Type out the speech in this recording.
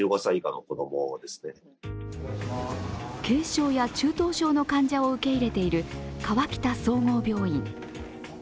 軽症や中等症の患者を受け入れている河北総合病院。